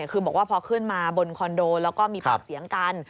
คือบอกว่าพอขึ้นมาบนคอนโดแล้วก็มีปากเสียงกัน